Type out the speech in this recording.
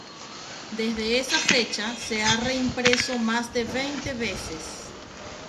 Desde esa fecha se ha reimpreso más de veinte veces.